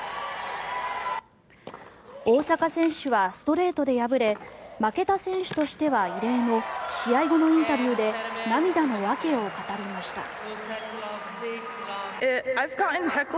大坂選手はストレートで敗れ負けた選手としては異例の試合後のインタビューで涙の訳を語りました。